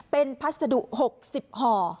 เป็นพัสดุ๖๐ห่อ